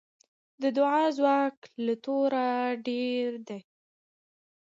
د دعا ځواک له توره ډېر دی.